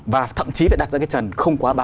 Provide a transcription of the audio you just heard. và thậm chí phải đặt ra cái trần không quá ba